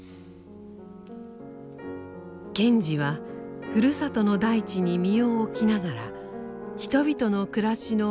賢治はふるさとの大地に身を置きながら人々の暮らしの周り